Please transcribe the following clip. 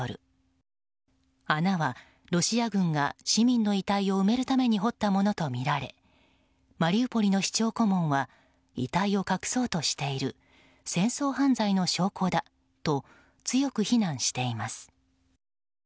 穴はロシア軍が市民の遺体を埋めるために掘ったものとみられマリウポリの市長顧問は遺体を隠そうとしている戦争犯罪の証拠だと強く非難しています。